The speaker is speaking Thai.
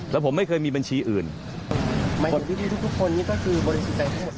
แล้วผมไม่เคยมีบัญชีอื่นหมายถึงวิธีทุกคนนี้ก็คือบริษัท